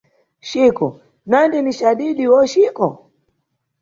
Chico -nandi ni cadidi oh Chico?